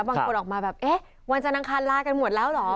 บางคนออกมาแบบวันจานางคารลากันหมดแล้วเหรอ